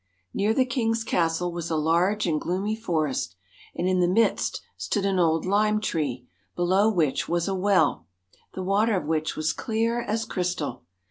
Near the king's castle was a large and gloomy forest, and in the midst stood an old lime tree, below which was a well, the water of which was clear as crystal.